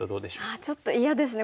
ああちょっと嫌ですね。